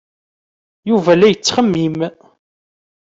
Yuba la yettxemmim.